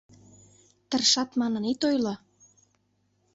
Тыршат манын ит ойло.